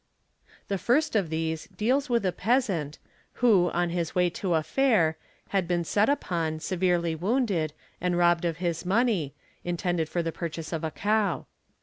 | The first of these deals with a peasant, who, on his way to a fair, had been set upon, severely wounded, and robbed of his money, intended fo the purchase of a cow.